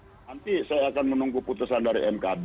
ya maka nanti saya akan menunggu putusan dari mkd